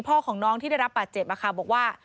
พ่อของน้องที่ได้รับบาดเจ็บบอกว่า